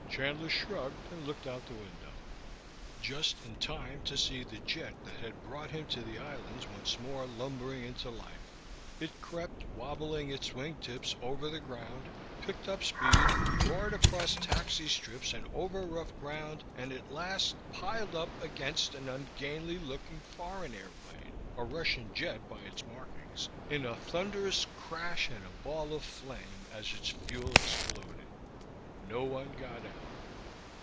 Chandler shrugged and looked out the window ... just in time to see the jet that had brought him to the islands once more lumbering into life. It crept, wobbling its wingtips, over the ground, picked up speed, roared across taxi strips and over rough ground and at last piled up against an ungainly looking foreign airplane, a Russian jet by its markings, in a thunderous crash and ball of flame as its fuel exploded. No one got out.